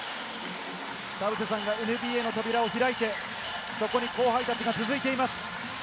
田臥さんがＮＢＡの扉を開いて、そこに後輩たちが続いています。